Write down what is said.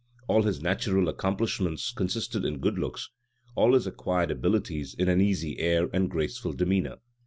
All his natural accomplishments consisted in good looks: all his acquired abilities in an easy air and graceful demeanor.